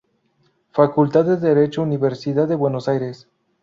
Facultad de Derecho, Universidad de Buenos Aires.